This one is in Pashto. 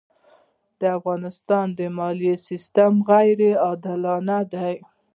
د افغانستان د مالیې سېستم غیرې عادلانه دی.